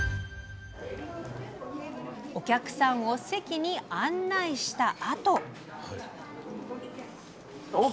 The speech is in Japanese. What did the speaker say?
お客さんを席に案内したあと。